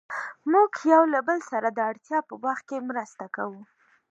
موږ يو له بل سره د اړتیا په وخت کې مرسته کوو.